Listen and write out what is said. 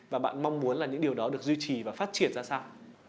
và bạn mong muốn là những điều đó được duy trì và phát triển ra sao